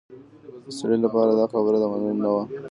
د سړي لپاره دا خبره د منلو نه وه.